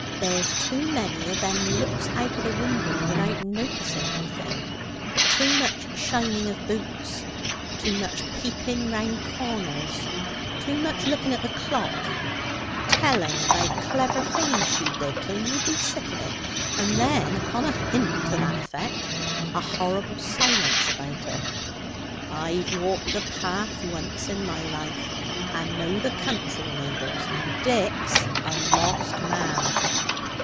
There's too many o' them looks out of the winder without noticing anything; too much shining of boots; too much peeping round corners; too much looking at the clock; telling about clever things she did till you be sick of it; and then upon a hint to that effect a horrible silence about her. I've walked the path once in my life and know the country, neighbours; and Dick's a lost man!"